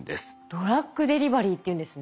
ドラッグデリバリーっていうんですね。